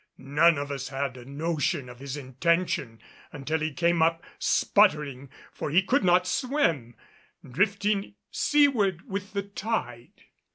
None among us had a notion of his intention until he came up sputtering, for he could not swim, drifting seaward with the tide.